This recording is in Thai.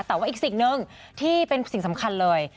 แต่ว่าอีกสิ่งหนึ่งที่เป็นสิ่งสำคัญเลย